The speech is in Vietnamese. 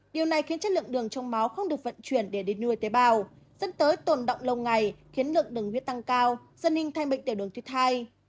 điều này khiến chất lượng đường trong máu không được vận chuyển để đi nuôi tế bào dẫn tới tồn động lâu ngày khiến lượng đường huyết tăng cao dân hình thanh bệnh tiểu đường tuyết thai